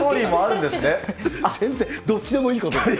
全然どっちでもいいことです